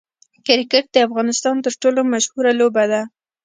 کرکټ د افغانستان تر ټولو مشهوره لوبه ده.